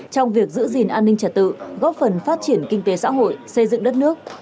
trong việc giữ gìn an ninh trả tự góp phần phát triển kinh tế xã hội xây dựng đất nước